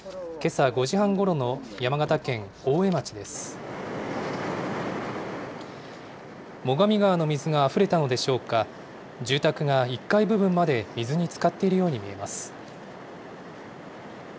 最上川の水があふれたのでしょうか、住宅が１階部分まで水につかっているように見えます。